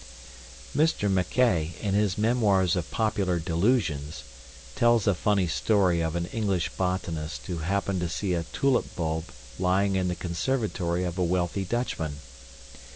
Mr Mackay, in his "Memoirs of Popular Delusions," tells a funny story of an English botanist who happened to see a tulip bulb lying in the conservatory of a wealthy Dutchman.